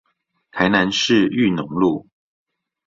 台南市裕農路